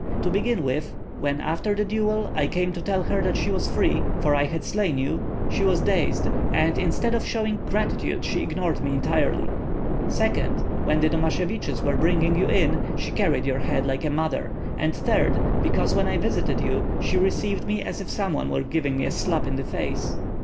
To begin with, when after the duel I came to tell her that she was free, for I had slain you, she was dazed, and instead of showing gratitude she ignored me entirely; second, when the Domasheviches were bringing you in, she carried your head like a mother; and third, because when I visited her, she received me as if some one were giving me a slap in the face.